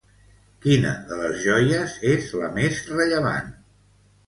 Quina de les joies és la més rellevant?